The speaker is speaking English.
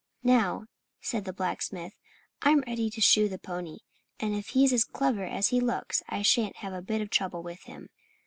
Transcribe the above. "Now," said the blacksmith, "I'm ready to shoe the pony. And if he's as clever as he looks I shan't have a bit of trouble with him."